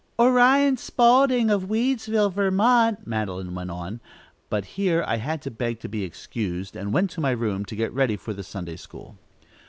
"'Orion Spaulding, of Weedsville, Vermont,'" Madeline went on but, here, I had to beg to be excused, and went to my room to get ready for the Sunday school.